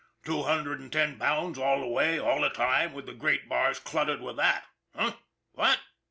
Two hundred and ten pounds all the way, all the time, with the grate bars cluttered with that, huh! What?"